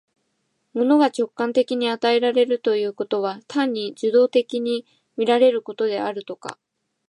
物が直観的に与えられるということは、単に受働的に見られることであるとか、